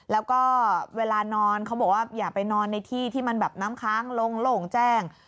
แล้วก็เวลานอนเขาบอกว่าอย่าไปนอนในที่ที่มันแบบน้ำค้างลงโล่งแจ้ง